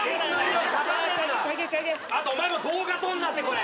あとお前も動画撮んなって！